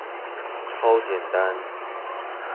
超簡單